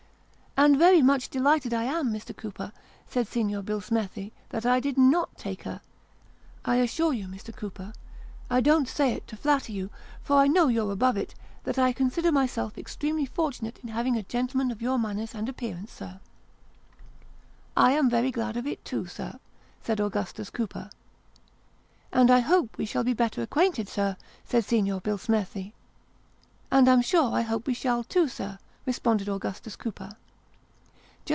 " And very much delighted I am, Mr. Cooper," said Signor Bill smethi, " that I did not take her. I assure you, Mr. Cooper I don't say it to flatter you, for I know you're above it that I consider myself extremely fortunate in having a gentleman of your manners and appearance, sir." " I am very glad of it too, sir," said Augustus Cooper. "And I hope we shall be better acquainted, sir," said Signor Billsmethi. "And I'm sure I hope we shall too, sir," responded Augustus Cooper.